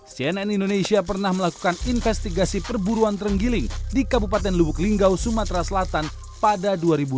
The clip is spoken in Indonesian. cnn indonesia pernah melakukan investigasi perburuan terenggiling di kabupaten lubuk linggau sumatera selatan pada dua ribu dua belas